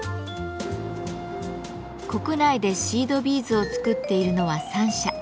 国内でシードビーズを作っているのは３社。